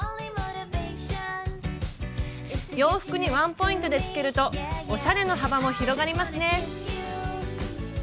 洋服にワンポイントでつけるとおしゃれの幅も広がりますね。